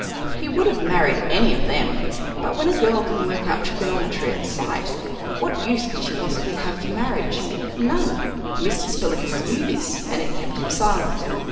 He would have married any of them. But when a girl can work out trigonometry at sight, what use can she possibly have for marriage? None. Mr. Spillikins knew this and it kept him silent.